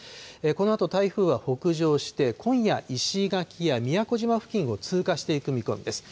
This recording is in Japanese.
このあと台風は北上して、今夜、石垣や宮古島付近を通過していく見込みです。